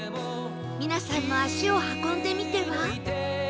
皆さんも足を運んでみては？